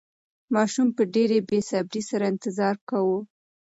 ماشوم په ډېرې بې صبرۍ سره انتظار کاوه.